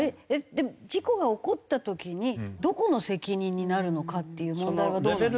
でも事故が起こった時にどこの責任になるのかっていう問題はどうなんですか？